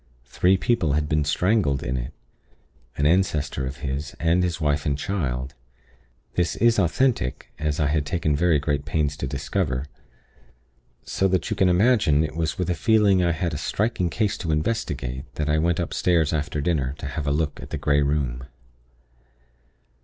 Three people had been strangled in it an ancestor of his and his wife and child. This is authentic, as I had taken very great pains to discover; so that you can imagine it was with a feeling I had a striking case to investigate that I went upstairs after dinner to have a look at the Grey Room.